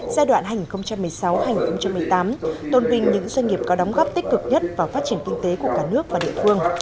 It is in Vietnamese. giai đoạn hành một mươi sáu hai nghìn một mươi tám tôn vinh những doanh nghiệp có đóng góp tích cực nhất vào phát triển kinh tế của cả nước và địa phương